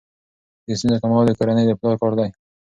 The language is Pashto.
د ستونزو کمول د کورنۍ د پلار کار دی.